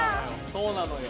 そうなのよ。